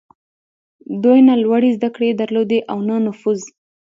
دوی نه لوړې زدهکړې درلودې او نه نفوذ.